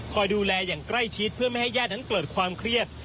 ดูแลอย่างใกล้ชิดเพื่อไม่ให้ญาตินั้นเกิดความเครียด